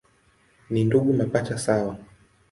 Ni ndugu mapacha sawa.